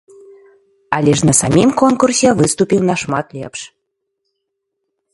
Але ж на самім конкурсе выступіў нашмат лепш.